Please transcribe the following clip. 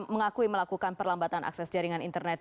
mengakui melakukan perlambatan akses jaringan internet